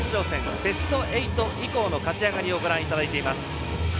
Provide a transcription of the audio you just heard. ベスト８以降の勝ち上がりをご覧いただいています。